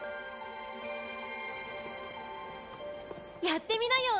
やってみなよ